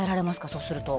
そうすると。